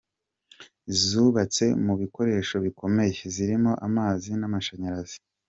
Zubatse mu bikoresho bikomeye, zirimo amazi n'amashyanyarazi.